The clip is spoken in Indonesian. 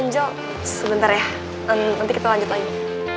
jo sebentar ya nanti kita lanjut lagi